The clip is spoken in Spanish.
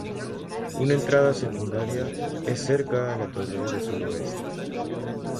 Una entrada secundaria es cerca la torre de suroeste.